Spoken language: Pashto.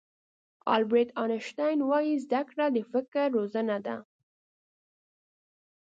البرټ آینشټاین وایي زده کړه د فکر روزنه ده.